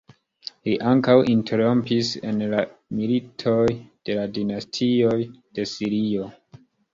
Li ankaŭ interrompis en la militoj de la dinastioj de Sirio.